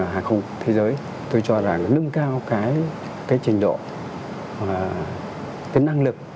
hàng không thế giới tôi cho rằng nó nâng cao cái trình độ cái năng lực